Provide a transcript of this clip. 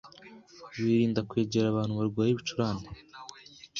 wirinda kwegera abantu barwaye ibicurane,